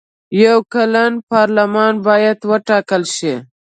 یو کلن پارلمان باید وټاکل شي.